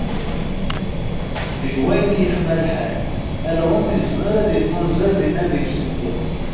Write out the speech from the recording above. Deg wayen i yeḥma lḥal, alɣem izmer ad d-ifunzer dinna deg Sedduq.